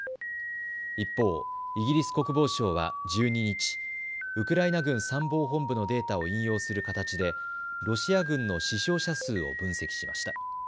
一方、イギリス国防省は１２日、ウクライナ軍参謀本部のデータを引用する形でロシア軍の死傷者数を分析しました。